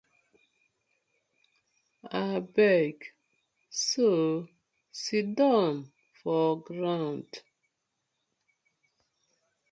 Abeg so sidon for ground.